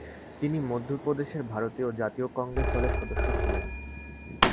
তিনি মধ্য প্রদেশের ভারতীয় জাতীয় কংগ্রেস দলের সদস্য ছিলেন।